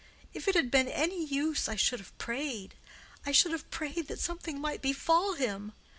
If it had been any use I should have prayed—I should have prayed that something might befall him.